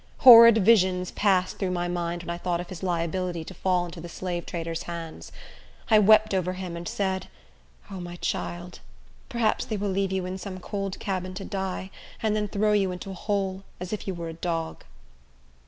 Horrid visions passed through my mind when I thought of his liability to fall into the slave trader's hands. I wept over him, and said, "O my child! perhaps they will leave you in some cold cabin to die, and then throw you into a hole, as if you were a dog."